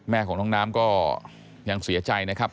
แม่ของน้องน้ำก็ยังเสียใจนะครับ